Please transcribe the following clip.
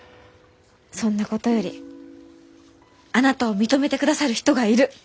そんなことよりあなたを認めてくださる人がいる。